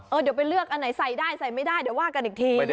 เดี๋ยวไปเลือกอันไหนใส่ได้ใส่ไม่ได้เดี๋ยวว่ากันอีกที